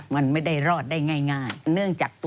มันก็ลงตัวเขาอะ